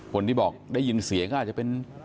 คนที่บอกได้ยินเสียงก็อาจจะเป็น